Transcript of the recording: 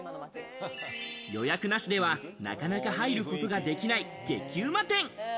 予約なしでは、なかなか入ることができない激ウマ店。